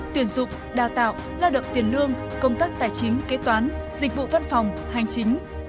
tuyển dụng đào tạo lao động tiền lương công tác tài chính kế toán dịch vụ văn phòng hành chính